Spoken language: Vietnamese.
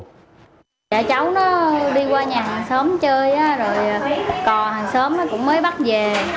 trẻ cháu nó đi qua nhà hàng xóm chơi rồi cò hàng xóm nó cũng mới bắt về